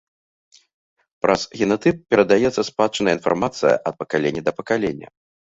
Праз генатып перадаецца спадчынная інфармацыя ад пакалення да пакалення.